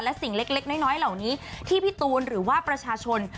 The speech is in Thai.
และสิ่งเล็กน้อยเหล่านี้ที่พี่ตูนหรือว่าประชาชน